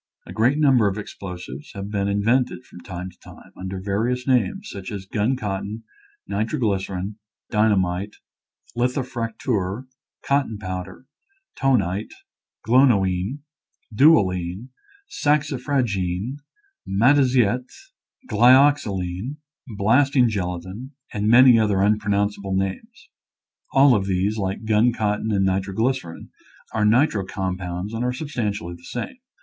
A great number of explosives have been in vented from time to time, under various names, such as gun cotton, nitroglycerin, dyna mite, litho fracteur, cotton powder, tonite, glonoine, dualine, saxifragine, mataziette, glyoxiline, blasting gelatin, and many other unpronounceable names. All of these, like gun cotton and nitroglycerin, are nitro com pounds and are substantially the same.